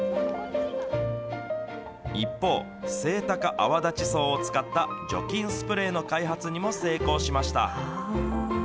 一方、セイタカアワダチソウを使った除菌スプレーの開発にも成功しました。